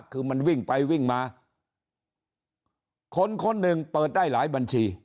คือมันวิ่งไปวิ่งมาคนคนหนึ่งเปิดได้หลายบัญชี